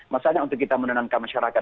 masalahnya untuk kita menenangkan masyarakat